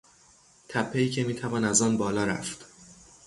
تپهای که میتوان از آن بالا رفت